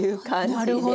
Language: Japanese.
なるほど。